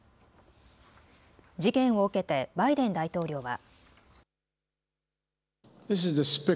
事件を受けてバイデン大統領は。